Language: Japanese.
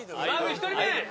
１人目は。